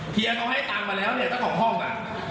เฮียต้องให้ตังค์มาแล้วเนี่ยต้องห่องซะ